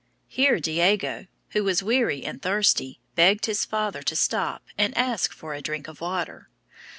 Here Diego, who was weary and thirsty, begged his father to stop and ask for a drink of water.